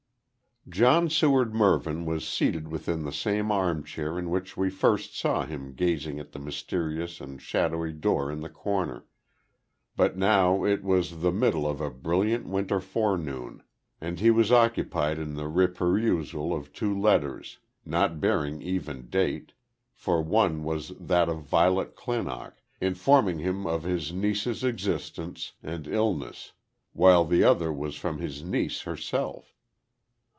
John Seward Mervyn was seated within the same armchair in which we first saw him gazing at the mysterious and shadowy door in the corner but now it was the middle of a brilliant winter forenoon and he was occupied in the reperusal of two letters, not bearing even date, for one was that of Violet Clinock informing him of his niece's existence and illness, while the other was from his niece herself.